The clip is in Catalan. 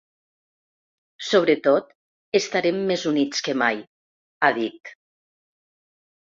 Sobretot, estarem més units que mai, ha dit.